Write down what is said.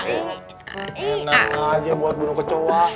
enak aja buat gunung kecoa